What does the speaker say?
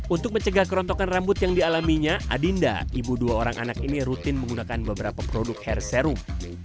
untuk mencegah kerontokan rambut yang dialaminya adinda ibu dua orang anak ini rutin menggunakan beberapa produk hair serum